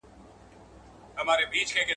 کډوال او ښار مېشته خلګ بېل ژوند لري.